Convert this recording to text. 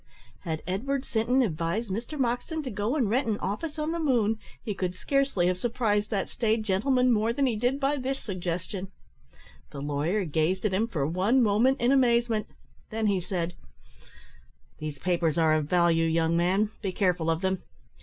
Had Edward Sinton advised Mr Moxton to go and rent an office in the moon, he could scarcely have surprised that staid gentleman more than he did by this suggestion. The lawyer gazed at him for one moment in amazement. Then he said "These papers are of value, young man: be careful of them.